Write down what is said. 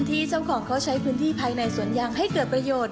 ที่เจ้าของเขาใช้พื้นที่ภายในสวนยางให้เกิดประโยชน์